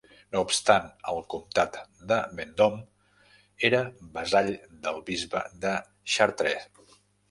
No obstant el comtat de Vendôme era vassall del bisbe de Chartres.